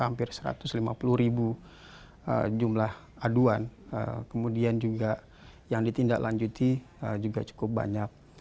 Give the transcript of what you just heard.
hampir satu ratus lima puluh ribu jumlah aduan kemudian juga yang ditindaklanjuti juga cukup banyak